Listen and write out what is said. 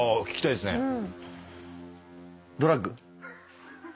聞きたいですね。